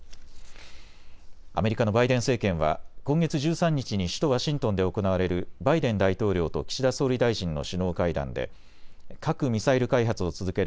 アメリカのバイデン政権は今月１３日に首都ワシントンで行われるバイデン大統領と岸田総理大臣の首脳会談で核・ミサイル開発を続ける